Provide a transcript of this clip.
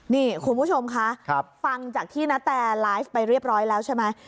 นี่คุณผู้ชมคะฟังจากที่นาแตไลฟ์ไปเรียบร้อยแล้วใช่ไหม